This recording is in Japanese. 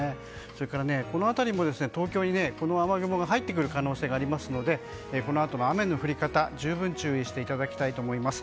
それから、東京に雨雲が入ってくる可能性がありますのでこのあとの雨の降り方十分注意していただきたいと思います。